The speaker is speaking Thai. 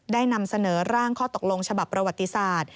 นำเสนอร่างข้อตกลงฉบับประวัติศาสตร์